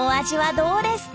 どうですか？